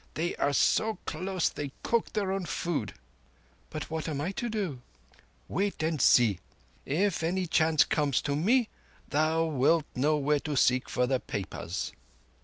They are so close they cook their own food." "But what am I to do?" "Wait and see. Only if any chance comes to me thou wilt know where to seek for the papers."